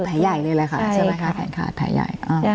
แผลใหญ่เลยแหละค่ะใช่ไหมคะแขนขาดแผลใหญ่